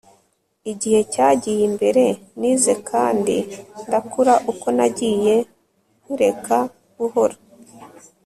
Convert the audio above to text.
igihe cyagiye imbere, nize kandi ndakura uko nagiye nkureka buhoro